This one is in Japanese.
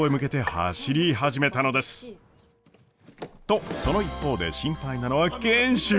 とその一方で心配なのは賢秀。